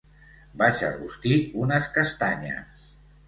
Vaig a rostir unes castanyes.